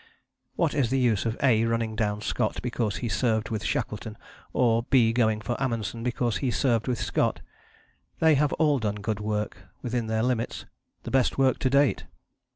What is the use of A running down Scott because he served with Shackleton, or B going for Amundsen because he served with Scott? They have all done good work; within their limits, the best work to date.